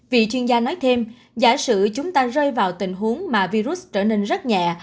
vị chuyên gia nói thêm giả sử chúng ta rơi vào tình huống mà virus trở nên rất nhẹ